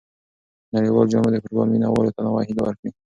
نړیوال جام به د فوټبال مینه والو ته نوې هیلې ورکړي.